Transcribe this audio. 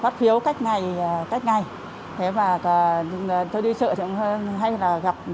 tôi đi chợ hay là gặp